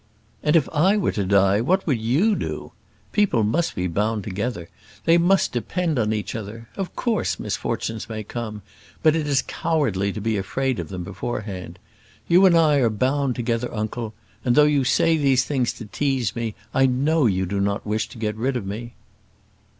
"And if I were to die, what would you do? People must be bound together. They must depend on each other. Of course, misfortunes may come; but it is cowardly to be afraid of them beforehand. You and I are bound together, uncle; and though you say these things to tease me, I know you do not wish to get rid of me."